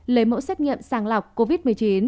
lấy mẫu xét nghiệm sàng lọc covid một mươi chín